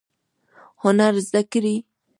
هنر زده کړئ